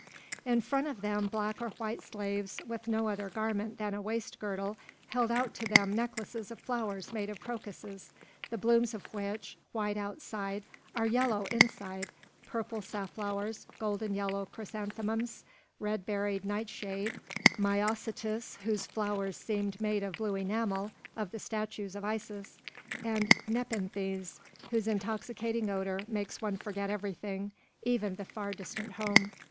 In front of them black or white slaves, with no other garment than a waist girdle, held out to them necklaces of flowers made of crocuses, the blooms of which, white outside, are yellow inside, purple safflowers, golden yellow chrysanthemums, red berried nightshade, myosotis whose flowers seemed made of blue enamel of the statues of Isis, and nepenthes whose intoxicating odour makes one forget everything, even the far distant home.